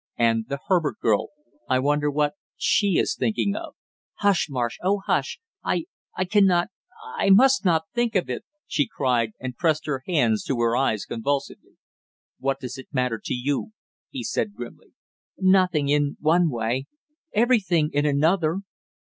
"And the Herbert girl I wonder what she is thinking of!" "Hush, Marsh Oh, hush! I I can not I must not think of it!" she cried, and pressed her hands to her eyes convulsively. "What does it matter to you?" he said grimly. "Nothing in one way everything in another!"